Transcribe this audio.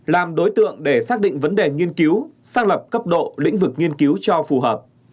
làm đối tượng để xác định vấn đề nghiên cứu xác lập cấp độ lĩnh vực nghiên cứu cho phù hợp